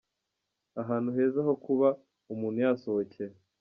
Ahantu heza ho kuba umuntu yasohokera.